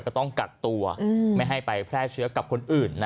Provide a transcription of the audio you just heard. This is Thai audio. ก็ต้องกักตัวไม่ให้ไปแพร่เชื้อกับคนอื่น